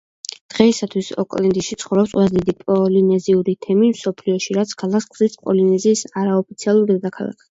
დღეისათვის ოკლენდში ცხოვრობს ყველაზე დიდი პოლინეზიური თემი მსოფლიოში, რაც ქალაქს ხდის პოლინეზიის არაოფიციალურ დედაქალაქად.